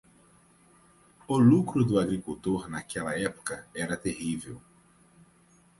O lucro do agricultor naquela época era terrível.